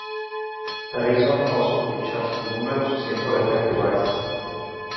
Reason also features numerous simple effect devices.